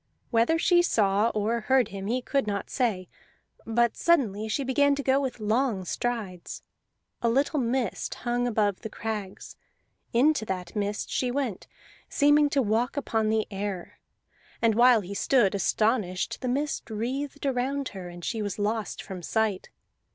Whether she saw or heard him he could not say, but suddenly she began to go with long strides. A little mist hung above the crags; into that mist she went, seeming to walk upon the air; and while he stood astonished the mist wreathed around her, and she was lost from sight.